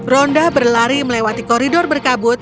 ronda berlari melewati koridor berkabut